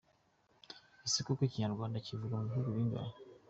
Ese koko ikinyarwanda kivugwa mubihugu bingahe?